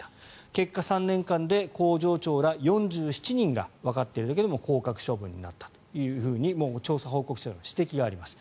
結果、３年間で工場長ら４７人がわかっているだけでも降格処分になったと調査報告書でも指摘がありました。